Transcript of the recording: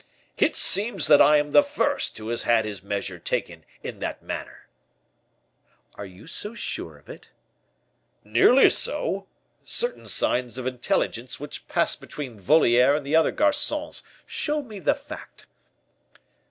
"It seems that I am the first who has had his measure taken in that manner." "Are you so sure of it?' "Nearly so. Certain signs of intelligence which passed between Voliere and the other garcons showed me the fact."